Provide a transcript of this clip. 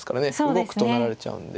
動くと成られちゃうんで。